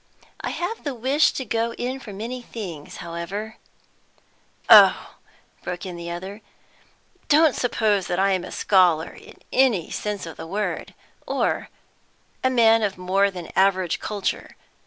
I have the wish to go in for many things, however, " "Oh," broke in the other, "don't suppose that I am a scholar in any sense of the word, or a man of more than average culture.